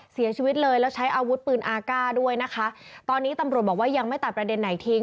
เสียชีวิตเลยแล้วใช้อาวุธปืนอาก้าด้วยนะคะตอนนี้ตำรวจบอกว่ายังไม่ตัดประเด็นไหนทิ้ง